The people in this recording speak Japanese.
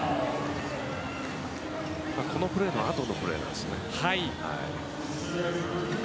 このプレーのあとのプレーですね。